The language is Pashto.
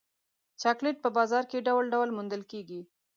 چاکلېټ په بازار کې ډول ډول موندل کېږي.